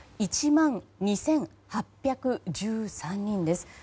１万２８１３人です。